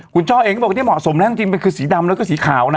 คุณช่อเองก็บอกว่าเมื่อนี้เหมาะสมแล้วต้องจีนเป็นคือสีดำแล้วก็สีขาวนะ